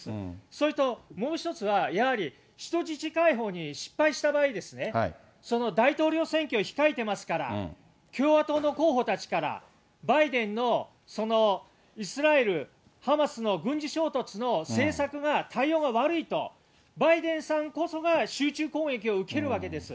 それともう一つはやはり、人質解放に失敗した場合ですね、その大統領選挙を控えてますから、共和党の候補たちからバイデンのイスラエル、ハマスの軍事衝突の政策が、対応が悪いと、バイデンさんこそが集中攻撃を受けるわけです。